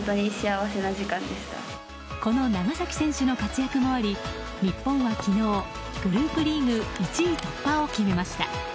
この長崎選手の活躍もあり日本は昨日、グループリーグ１位突破を決めました。